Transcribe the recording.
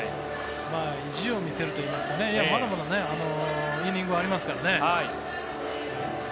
意地を見せるといいますかまだまだイニングはありますからね。